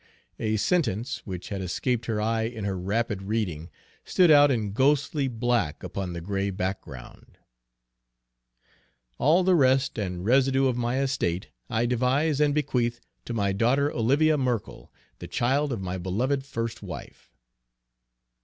A sentence, which had escaped her eye in her rapid reading, stood out in ghostly black upon the gray background: "All the rest and residue of my estate I devise and bequeath to my daughter Olivia Merkell, the child of my beloved first wife."